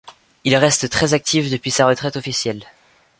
Il reste très actif depuis sa retraite officielle.